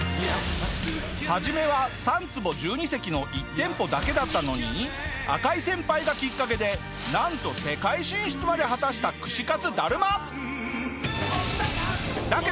初めは３坪１２席の１店舗だけだったのに赤井先輩がきっかけでなんと世界進出まで果たした串かつだるま。だけ